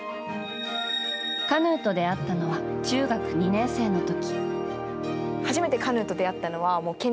カヌーと出会ったのは中学２年生の時。